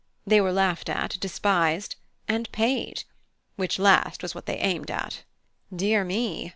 They were laughed at, despised and paid. Which last was what they aimed at." Dear me!